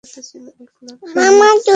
তার সাথে ছিল এক লাখ সৈন্য।